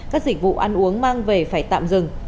các dịch vụ ăn uống mang về phải tạm dừng